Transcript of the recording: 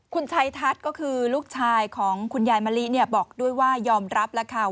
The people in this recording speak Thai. คุณชัยทัศน์ก็คือลูกชายของคุณยายมะลิบอกด้วยว่ายอมรับแล้วค่ะ